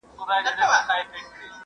د سبا لپاره پلان جوړ کړئ.